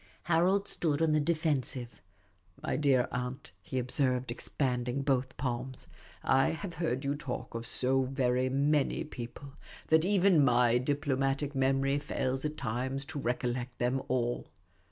Harold stood on the defensive. '' My dear aunt, "' he ob served, expanding both palms, " I have heard you talk of so very many people, that even vij> diplomatic memory fails at 42 Miss Cayley's Adventures times to recollect them all.